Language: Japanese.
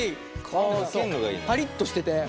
パリッとしてて。